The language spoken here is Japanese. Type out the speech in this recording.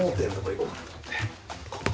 ここ。